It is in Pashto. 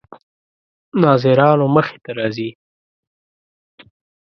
ناظرانو مخې ته راځي.